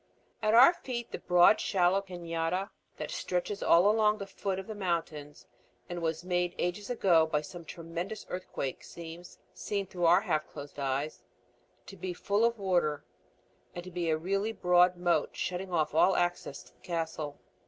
At our feet the broad shallow cañada that stretches all along the foot of the mountains and was made ages ago by some tremendous earthquake seems, seen through our half closed eyes, to be full of water and to be really a broad moat shutting off all access to the castle.